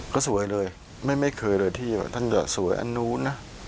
ก็สวยเลยไม่เคยเลยที่ว่าท่านจะสวยอันนู้นนะ